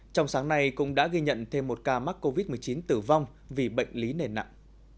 trong sáng nay cũng đã ghi nhận thêm một ca mắc covid một mươi chín tử vong vì bệnh lý nền nặng